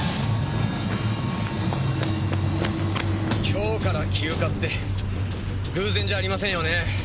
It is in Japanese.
今日から休暇って偶然じゃありませんよね。